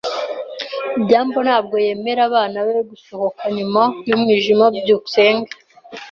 byambo ntabwo yemerera abana be gusohoka nyuma y'umwijima. byukusenge